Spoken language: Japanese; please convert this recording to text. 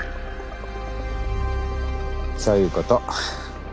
そういうこと。